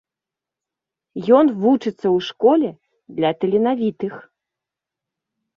Ён вучыцца ў школе для таленавітых.